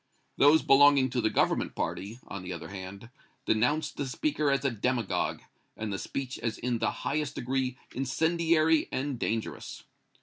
Those belonging to the Government party, on the other hand, denounced the speaker as a demagogue and the speech as in the highest degree incendiary and dangerous.